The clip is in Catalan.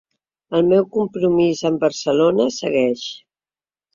El meu compromís amb Barcelona segueix.